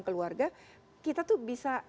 keluarga kita tuh bisa